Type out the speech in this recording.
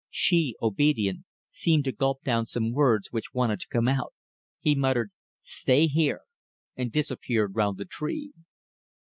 She, obedient, seemed to gulp down some words which wanted to come out. He muttered: "Stay here," and disappeared round the tree.